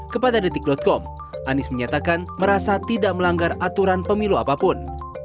kepada detik com anies menyatakan merasa tidak melanggar aturan pemilu apapun